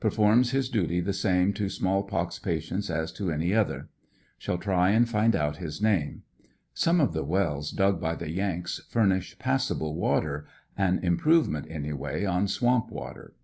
Performs his duty the same to small pox patients as to any other. Shall try and find out his name. Some of the wells dug by the Yanks furnish passable water, an improvement anyway on swamp water.